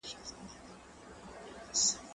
زه به سبا مکتب ته ولاړم،